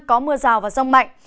có mưa rào và rông mạnh